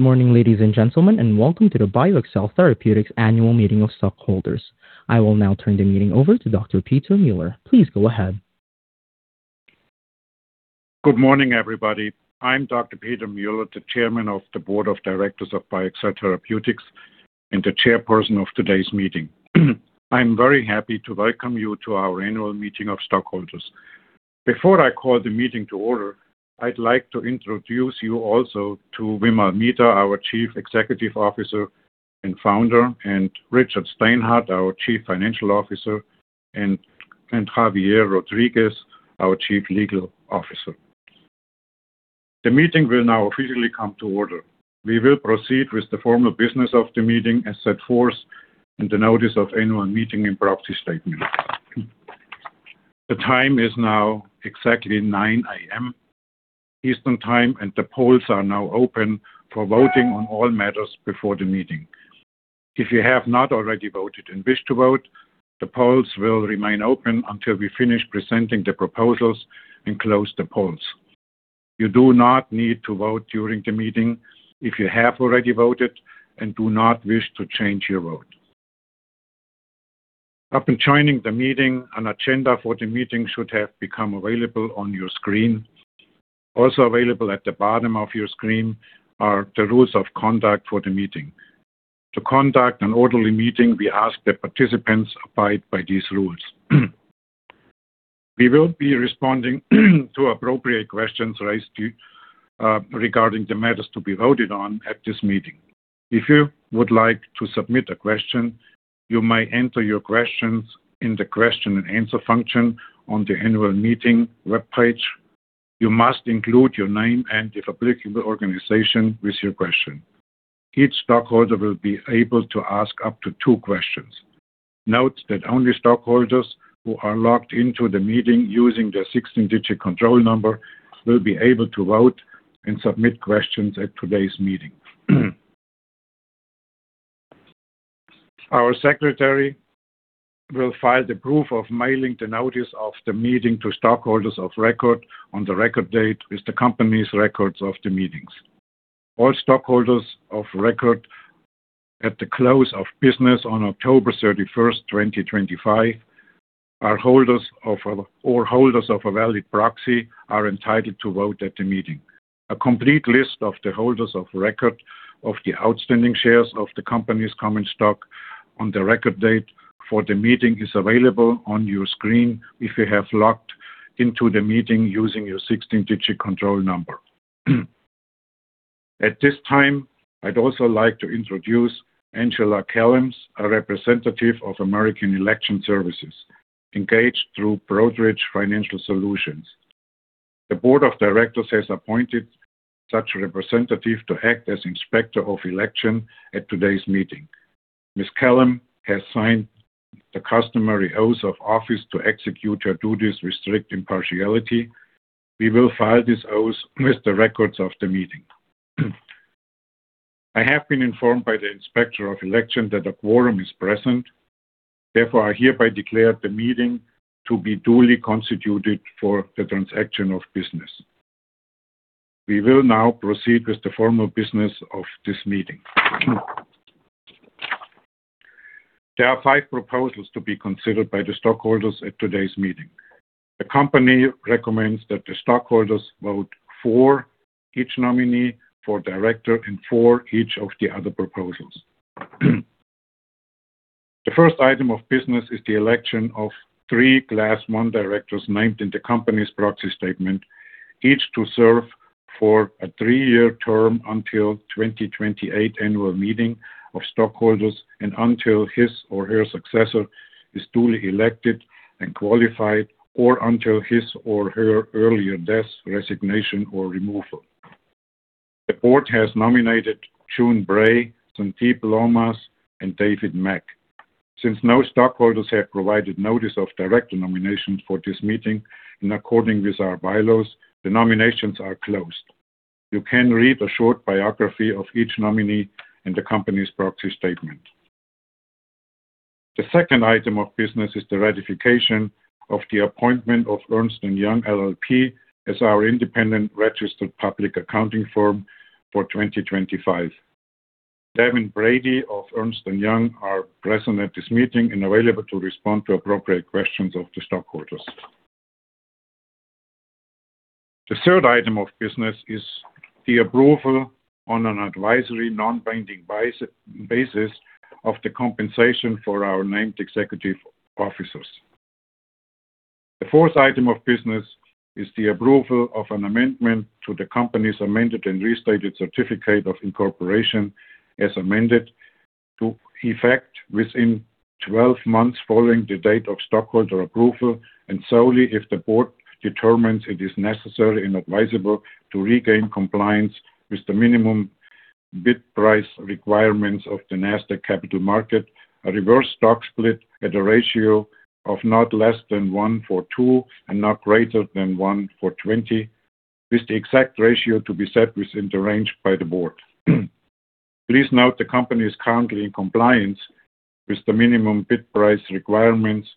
Good morning, ladies and gentlemen, and welcome to the BioXcel Therapeutics Annual Meeting of Stockholders. I will now turn the meeting over to Dr. Peter Mueller. Please go ahead. Good morning, everybody. I'm Dr. Peter Mueller, the Chairman of the Board of Directors of BioXcel Therapeutics and the Chairperson of today's meeting. I'm very happy to welcome you to our annual meeting of stockholders. Before I call the meeting to order, I'd like to introduce you also to Vimal Mehta, our Chief Executive Officer and Founder, and Richard Steinhart, our Chief Financial Officer, and Javier Rodriguez, our Chief Legal Officer. The meeting will now officially come to order. We will proceed with the formal business of the meeting as set forth in the notice of annual meeting and proxy statement. The time is now exactly 9:00 A.M. Eastern Time, and the polls are now open for voting on all matters before the meeting. If you have not already voted and wish to vote, the polls will remain open until we finish presenting the proposals and close the polls. You do not need to vote during the meeting if you have already voted and do not wish to change your vote. Upon joining the meeting, an agenda for the meeting should have become available on your screen. Also available at the bottom of your screen are the rules of conduct for the meeting. To conduct an orderly meeting, we ask that participants abide by these rules. We will be responding to appropriate questions raised regarding the matters to be voted on at this meeting. If you would like to submit a question, you may enter your questions in the question and answer function on the annual meeting webpage. You must include your name and the public organization with your question. Each stockholder will be able to ask up to two questions. Note that only stockholders who are logged into the meeting using their 16-digit control number will be able to vote and submit questions at today's meeting. Our secretary will file the proof of mailing the notice of the meeting to stockholders of record on the record date with the company's records of the meetings. All stockholders of record at the close of business on October 31st, 2025, or holders of a valid proxy are entitled to vote at the meeting. A complete list of the holders of record of the outstanding shares of the company's common stock on the record date for the meeting is available on your screen if you have logged into the meeting using your 16-digit control number. At this time, I'd also like to introduce Angela Cullum, a representative of American Election Services, engaged through Broadridge Financial Solutions. The Board of Directors has appointed such a representative to act as Inspector of Election at today's meeting. Ms. Cullum has signed the customary oath of office to execute her duties with strict impartiality. We will file this oath with the records of the meeting. I have been informed by the Inspector of Election that a quorum is present. Therefore, I hereby declare the meeting to be duly constituted for the transaction of business. We will now proceed with the formal business of this meeting. There are five proposals to be considered by the stockholders at today's meeting. The company recommends that the stockholders vote for each nominee for director and for each of the other proposals. The first item of business is the election of three Class I directors named in the company's proxy statement, each to serve for a three-year term until the 2028 annual meeting of stockholders and until his or her successor is duly elected and qualified, or until his or her earlier death, resignation, or removal. The Board has nominated June Bray, Sandeep Laumas, and David Mack. Since no stockholders have provided notice of direct nominations for this meeting, and in accordance with our bylaws, the nominations are closed. You can read a short biography of each nominee in the company's proxy statement. The second item of business is the ratification of the appointment of Ernst & Young LLP as our independent registered public accounting firm for 2025. Devin Brady of Ernst & Young is present at this meeting and available to respond to appropriate questions of the stockholders. The third item of business is the approval on an advisory non-binding basis of the compensation for our named executive officers. The fourth item of business is the approval of an amendment to the company's amended and restated certificate of incorporation as amended to effect within 12 months following the date of stockholder approval, and solely if the Board determines it is necessary and advisable to regain compliance with the minimum bid price requirements of the Nasdaq Capital Market, a reverse stock split at a ratio of not less than 1-for-2 and not greater than 1-for-20, with the exact ratio to be set within the range by the Board. Please note the company is currently in compliance with the minimum bid price requirements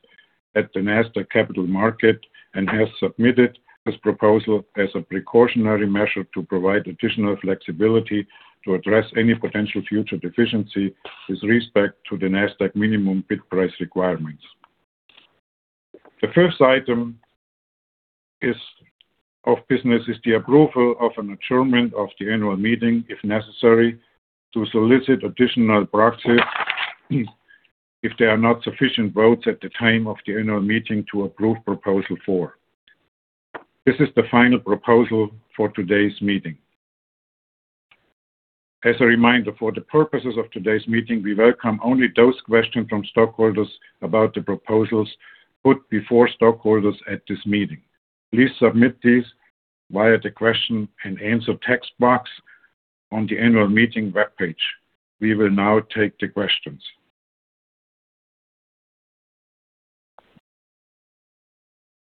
at the Nasdaq Capital Market and has submitted this proposal as a precautionary measure to provide additional flexibility to address any potential future deficiency with respect to the Nasdaq minimum bid price requirements. The fifth item of business is the approval of an adjournment of the annual meeting if necessary to solicit additional proxies if there are not sufficient votes at the time of the annual meeting to approve Proposal 4. This is the final proposal for today's meeting. As a reminder, for the purposes of today's meeting, we welcome only those questions from stockholders about the proposals put before stockholders at this meeting. Please submit these via the question and answer text box on the annual meeting webpage. We will now take the questions.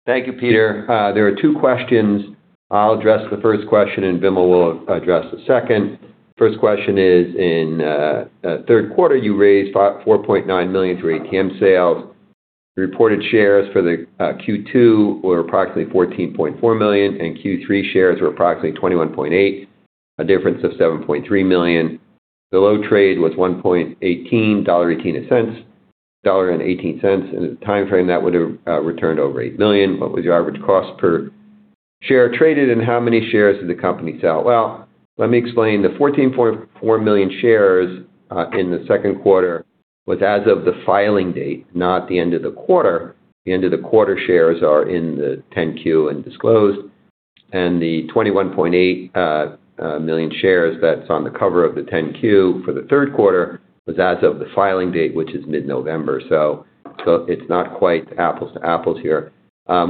Thank you, Peter. There are two questions. I'll address the first question, and Vimal will address the second. First question is, in the third quarter, you raised $4.9 million through ATM sales. Reported shares for the Q2 were approximately 14.4 million, and Q3 shares were approximately 21.8, a difference of 7.3 million. The low trade was $1.18. In the time frame, that would have returned over $8 million. What was your average cost per share traded, and how many shares did the company sell? Well, let me explain. The 14.4 million shares in the second quarter was as of the filing date, not the end of the quarter. The end of the quarter shares are in the 10-Q and disclosed. The 21.8 million shares that's on the cover of the 10-Q for the third quarter was as of the filing date, which is mid-November. It's not quite apples to apples here.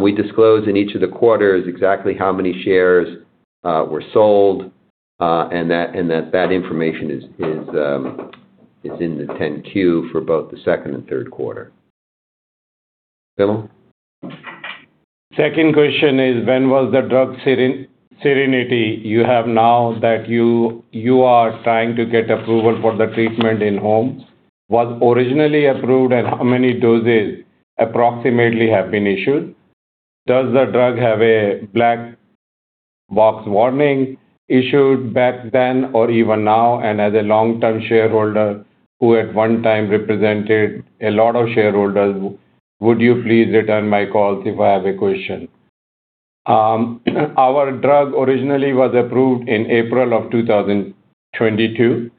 We disclose in each of the quarters exactly how many shares were sold, and that information is in the 10-Q for both the second and third quarter. Vimal? Second question is, when was the drug SERENITY you have now that you are trying to get approval for the at-home treatment? was originally approved, and how many doses approximately have been issued? Does the drug have a black box warning issued back then or even now? And as a long-term shareholder who at one time represented a lot of shareholders, would you please return my calls if I have a question? Our drug originally was approved in April of 2022.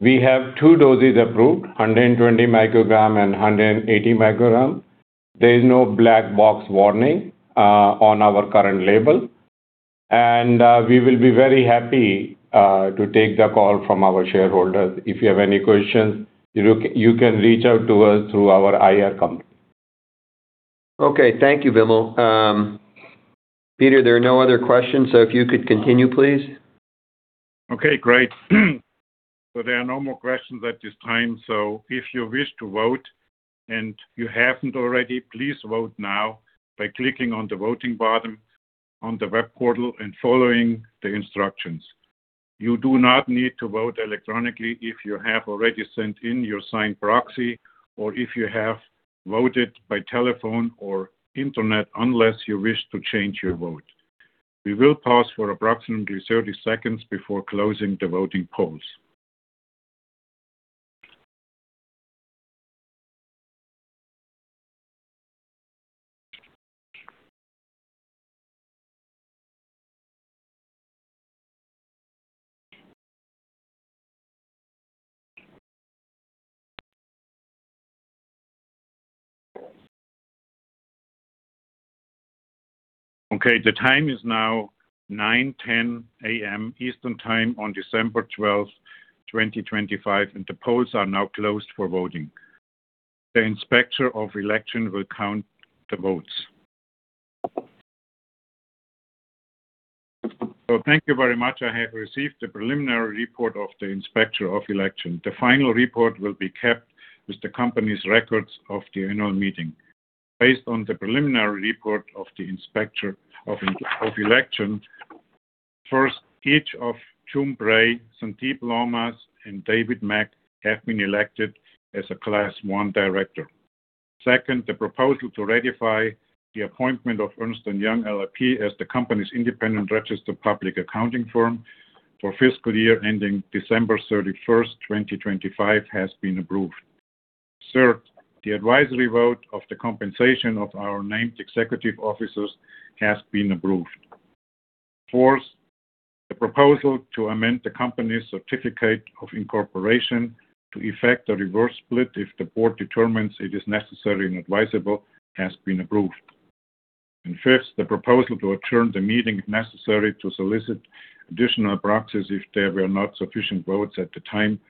We have two doses approved, 120 microgram and 180 microgram. There is no black box warning on our current label. And we will be very happy to take the call from our shareholders. If you have any questions, you can reach out to us through our IR company. Okay. Thank you, Vimal. Peter, there are no other questions, so if you could continue, please. Okay. Great. So there are no more questions at this time. So if you wish to vote and you haven't already, please vote now by clicking on the voting button on the web portal and following the instructions. You do not need to vote electronically if you have already sent in your signed proxy or if you have voted by telephone or internet unless you wish to change your vote. We will pause for approximately 30 seconds before closing the voting polls. Okay. The time is now 9:10 A.M. Eastern Time on December 12th, 2025, and the polls are now closed for voting. The Inspector of Election will count the votes. Thank you very much. I have received the preliminary report of the Inspector of Election. The final report will be kept with the company's records of the annual meeting. Based on the preliminary report of the Inspector of Election, first, each of June Bray, Sandeep Laumas, and David Mack have been elected as a Class I director. Second, the proposal to ratify the appointment of Ernst & Young LLP as the company's independent registered public accounting firm for fiscal year ending December 31st, 2025 has been approved. Third, the advisory vote of the compensation of our named executive officers has been approved. Fourth, the proposal to amend the company's certificate of incorporation to effect a reverse split if the Board determines it is necessary and advisable has been approved. And fifth, the proposal to adjourn the meeting if necessary to solicit additional proxies if there were not sufficient votes at the time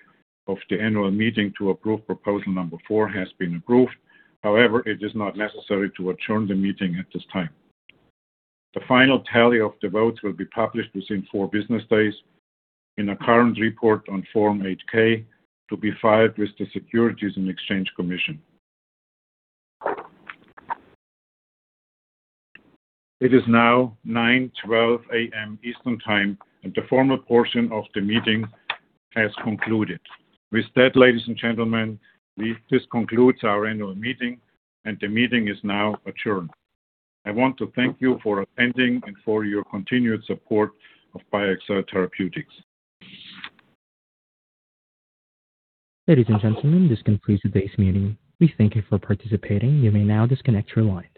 of the annual meeting to approve Proposal 4 has been approved. However, it is not necessary to adjourn the meeting at this time. The final tally of the votes will be published within four business days in a current report on Form 8-K to be filed with the Securities and Exchange Commission. It is now 9:12 A.M. Eastern Time, and the formal portion of the meeting has concluded. With that, ladies and gentlemen, this concludes our annual meeting, and the meeting is now adjourned. I want to thank you for attending and for your continued support of BioXcel Therapeutics. Ladies and gentlemen, this concludes today's meeting. We thank you for participating. You may now disconnect your lines.